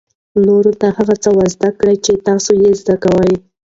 نورو ته هغه څه ور زده کړئ چې تاسو یې زده کوئ.